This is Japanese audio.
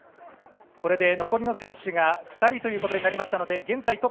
これで残りの選手が２人ということになりましたので現在